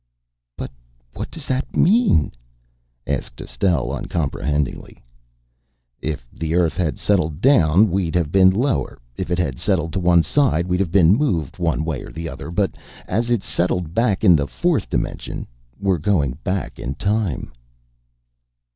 "But what does that mean?" asked Estelle uncomprehendingly. "If the earth had settled down, we'd have been lower. If it had settled to one side, we'd have been moved one way or another, but as it's settled back in the Fourth Dimension, we're going back in time."